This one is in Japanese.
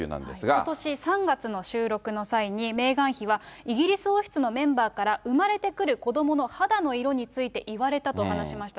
ことし３月の収録の際に、メーガン妃はイギリス王室のメンバーから、産まれてくる子どもの肌の色について、言われたと話しました。